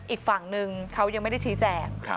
อีกฝั่งนึงเขายังไม่ได้ชี้แจง